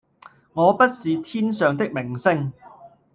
我不是天上的明星